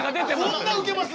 こんなウケます？